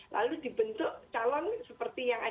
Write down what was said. lalu dibentuk calon seperti yang ada